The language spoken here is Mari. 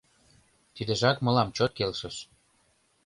Тидыжак мылам чот келшыш.